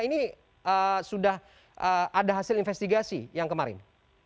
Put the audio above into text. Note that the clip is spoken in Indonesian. ini sudah ada hasil investigasi yang kemarin